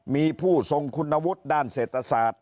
มีผู้ทรงคุณวุฒิด้านเศรษฐศาสตร์